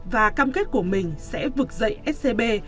và cam kết của mình sẽ vực dậy scb